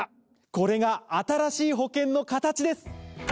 これが新しい保険の形です！